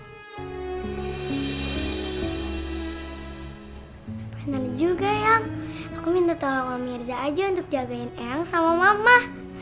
bener juga ayang aku minta tolong om mirza aja untuk jagain ayang sama mama